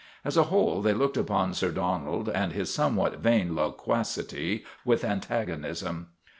As a whole they looked upon Sir Donald and his somewhat vain loquacity with antagonism.